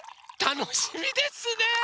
たのしみですね！